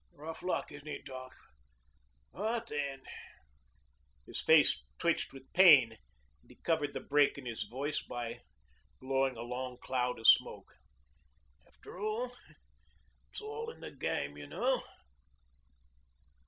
Rough luck, isn't it, doc.? But then ...' His face twitched with pain, but he covered the break in his voice by blowing a long cloud of smoke. '... After all, it's all in the game, y' know.'